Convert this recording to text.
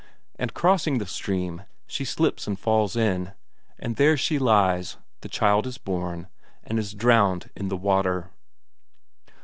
And crossing the stream, she slips and falls in. And there she lies; the child is born, and is drowned in the water."